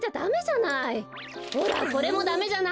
ほらこれもダメじゃない。